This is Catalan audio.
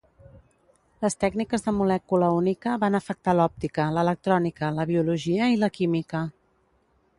Les tècniques de molècula única van afectar l'òptica, l'electrònica, la biologia i la química.